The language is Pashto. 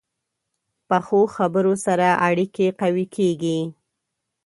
پخو خبرو سره اړیکې قوي کېږي